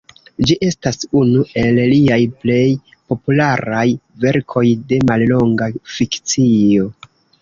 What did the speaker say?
Ĝi estas unu el liaj plej popularaj verkoj de mallonga fikcio.